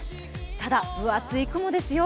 ただ、分厚い雲ですよ。